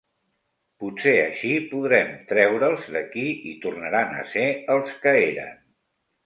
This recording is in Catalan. Potser així podrem treure'ls d'aquí i tornaran a ser els que eren.